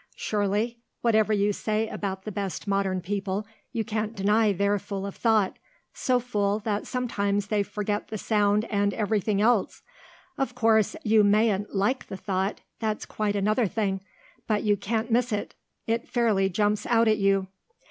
Surely whatever you say about the best modern people, you can't deny they're full of thought so full that sometimes they forget the sound and everything else. Of course you mayn't like the thought, that's quite another thing; but you can't miss it; it fairly jumps out at you....